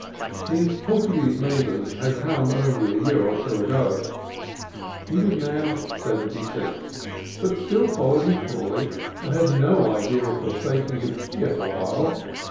(His Portuguese neighbors had come only a year or two ago.) He was now seventy six, but still followed his calling, and had no idea of forsaking it yet awhile.